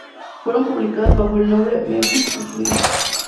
Fueron publicadas bajo el nombre Memphis Slim.